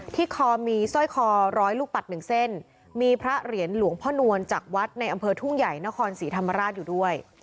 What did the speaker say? คอมีสร้อยคอร้อยลูกปัด๑เส้นมีพระเหรียญหลวงพ่อนวลจากวัดในอำเภอทุ่งใหญ่นครศรีธรรมราชอยู่ด้วย